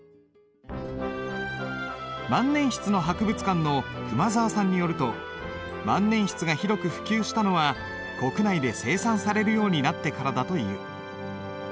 万年筆の博物館の熊澤さんによると万年筆が広く普及したのは国内で生産されるようになってからだという。